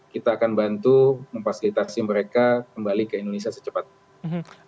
kita akan bantu memfasilitasi mereka kembali ke indonesia secepat